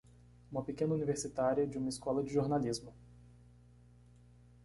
Uma pequena universitária de uma escola de jornalismo!